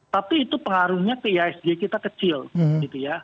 tapi itu pengaruhnya ke ihsg kita kecil gitu ya